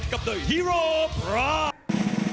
กับเดอะฮีโร่พรายซ์